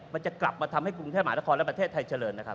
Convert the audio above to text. มันจะกลับมาทำให้กรุงเทพหมานครและประเทศไทยเจริญนะครับ